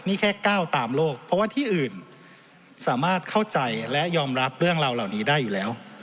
นี่แค่ก้าวตามโลกเพราะว่าที่อื่นสามารถเข้าใจและยอมรับเรื่องเราเหล่านี้ได้อยู่แล้ว